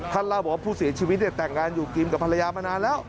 เล่าบอกว่าผู้เสียชีวิตแต่งงานอยู่กินกับภรรยามานานแล้ว